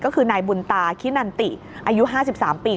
ก็คือนายบุญตาคินันติอายุ๕๓ปี